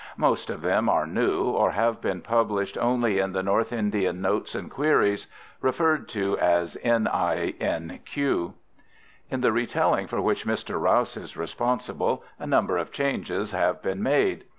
Most of them are new, or have been published only in the North Indian Notes and Queries (referred to as N.I.N.Q.). In the re telling, for which Mr. Rouse is responsible, a number of changes have been made.